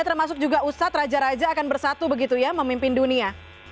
termasuk juga ustadz raja raja akan bersatu begitu ya memimpin dunia